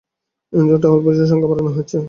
এ অঞ্চলে টহল পুলিশের সংখ্যা বাড়ানো হয়েছে।